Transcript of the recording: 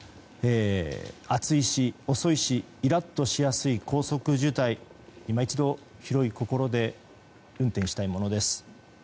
暑いし遅いし、イラッとしやすい高速渋滞、今一度広い心で運転したいものです。